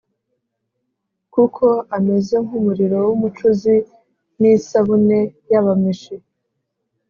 Kuko ameze nk’umuriro w’umucuzi n’isabune y’abameshi.